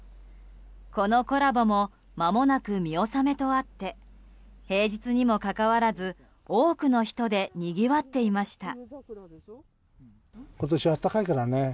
このコラボもまもなく見納めとあって平日にもかかわらず多くの人でにぎわっていました。